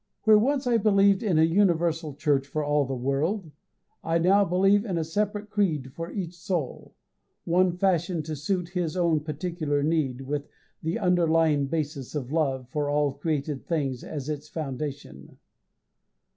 Where once I believed in a universal church for all the world, I now believe in a separate creed for each soul, one fashioned to suit his own particular need, with the underlying basis of love for all created things as its foundation.